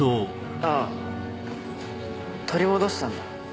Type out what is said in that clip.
ああ取り戻したんだ。